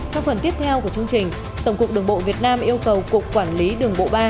trong phần tiếp theo của chương trình tổng cục đường bộ việt nam yêu cầu cục quản lý đường bộ ba